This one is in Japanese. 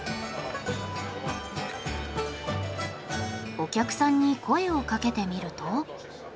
お客さんに声をかけてみると。